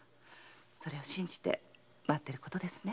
それを信じて待っていることですね。